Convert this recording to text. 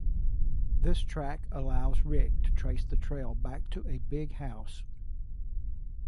This track allows Ric to trace the trail back to a big house.